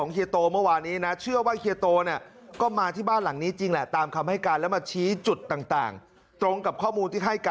เขาไม่น่าจะเป็นคนใจร้ายหรอก